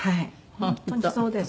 本当にそうです。